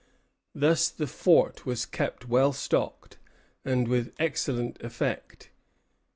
Thus the fort was kept well stocked, and with excellent effect.